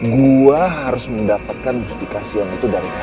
gue harus mendapatkan mustiqasyian itu dari kalian